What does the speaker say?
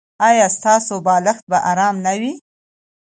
ایا ستاسو بالښت به ارام نه وي؟